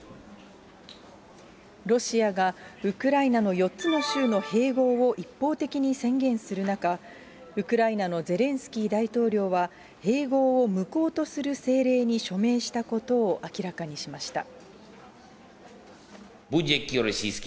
ロシアが、ウクライナの４つの州の併合を一方的に宣言する中、ウクライナのゼレンスキー大統領は、併合を無効とする政令に署名したことを明らかにしました。